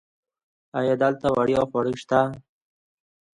ایا دلته وړیا خواړه شته؟